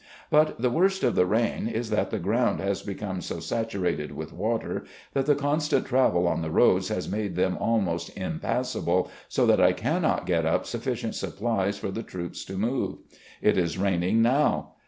But the worst of the rain is that the ground has become so satu rated with water that the constant travel on the roads has made them almost impassable, so that I cannot get up sufficient supplies for the troops to move. It is raining now.